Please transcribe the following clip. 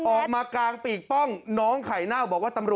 ออกมากลางปีกป้องน้องไข่เน่าบอกว่า